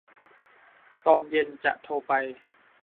ตอนเย็นจะโทรไป